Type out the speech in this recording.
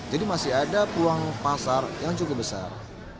jadi masih ada peluang pasar yang cukup besar